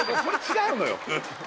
これ違うのよ